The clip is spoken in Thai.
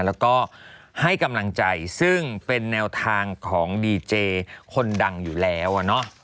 แล้วก็ให้กำลังใจซึ่งเป็นแนวทางของดีเจคนดังอยู่แล้ว